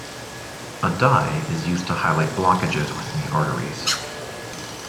A dye is used to highlight blockages within the arteries.